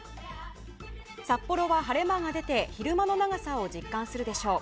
札幌は晴れ間が出て昼間の長さを実感するでしょう。